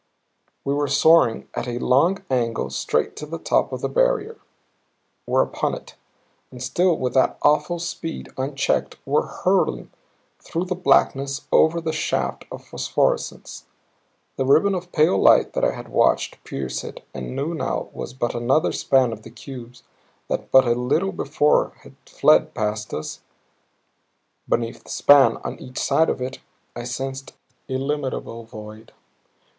We were soaring at a long angle straight to the top of the barrier; were upon it, and still with that awful speed unchecked were hurtling through the blackness over the shaft of phosphorescence, the ribbon of pale light that I had watched pierce it and knew now was but another span of the cubes that but a little before had fled past us. Beneath the span, on each side of it, I sensed illimitable void.